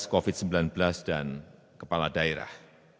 berkoordinasi dengan kepala kugus tugas covid sembilan belas dan kepala daerah